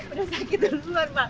udah sakit duluan pak